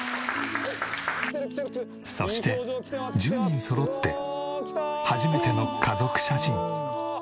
そして１０人そろって初めての家族写真。